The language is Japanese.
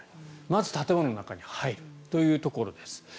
まず建物の中に入るということです。